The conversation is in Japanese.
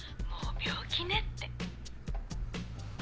「もう病気ね」って。